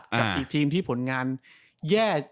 กับอีกทีมที่ผลงานแย่